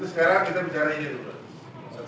sekarang kita bicara ini dulu